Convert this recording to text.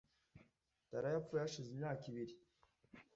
Taro yapfuye hashize imyaka ibiri .